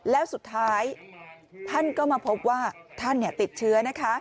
แล้วสุดท้ายท่านก็มาพบว่าท่านติดเชื้อนะคะ